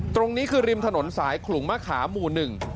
ตรงนี้คือริมถนนสายขลุงมะขามหมู่หนึ่ง